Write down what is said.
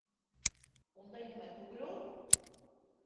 Ундай нәмә түгел ул!